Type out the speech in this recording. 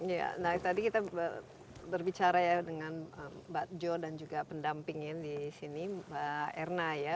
ya nah tadi kita berbicara ya dengan mbak jo dan juga pendamping ya di sini mbak erna ya